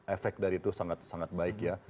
efek dari itu sangat sangat baik ya